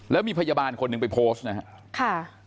แล้วมีพยาบาลคนหนึ่งไปโพสต์นะครับ